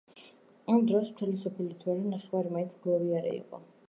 იმ დროს მთელი სოფელი თუ არა, ნახევარი მაინც მგლოვიარე იყო.